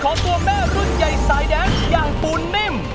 ของตัวแม่รุ่นใยสายแดดอย่างปูนิม